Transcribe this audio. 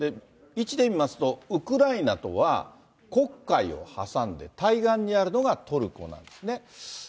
位置で見ますと、ウクライナとは、黒海を挟んで対岸にあるのがトルコなんですね。